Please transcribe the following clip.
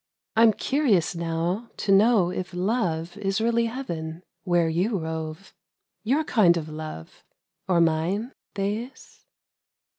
— I 'm curious now to know if love Is really heaven — where y<>:< rove. — Your kind of love ... or mine, Thais ?